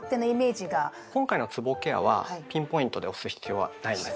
今回のつぼケアはピンポイントで押す必要はないんです。